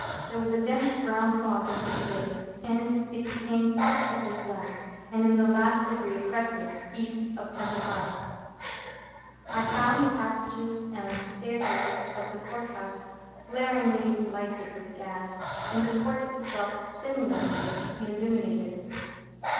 There was a dense brown fog in Piccadilly, and it became positively black and in the last degree oppressive East of Temple Bar. I found the passages and staircases of the Court House flaringly lighted with gas, and the Court itself similarly illuminated.